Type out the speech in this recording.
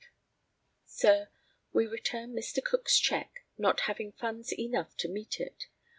"Sir, We return Mr. Cook's cheque, not having funds enough to meet it.